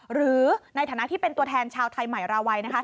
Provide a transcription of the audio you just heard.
หรือในฐานะที่เป็นตัวแทนชาวไทยใหม่ราวัย